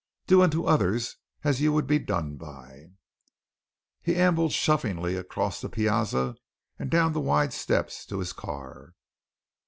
Do unto others as you would be done by." He ambled shufflingly across the piazza and down the wide steps to his car.